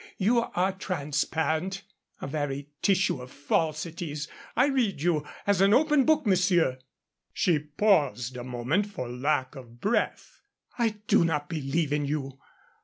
You are transparent a very tissue of falsities. I read you as an open book, monsieur." She paused a moment for the lack of breath. "I do not believe in you.